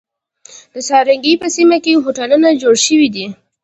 د څنارګی په سیمه کی هوټلونه جوړ شوی دی.